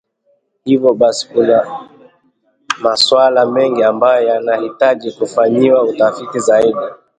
Hivyo basi, kuna maswala mengi ambayo yanahitaji kufanyiwa utafiti zaidi